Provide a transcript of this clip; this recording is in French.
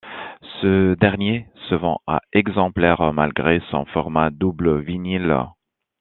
Ce dernier se vend à exemplaires malgré son format double-vinyle.